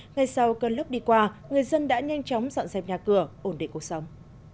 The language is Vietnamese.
ngay sau cơn lốc đi qua người dân đã nhanh chóng dọn dẹp nhà cửa ổn định cuộc sống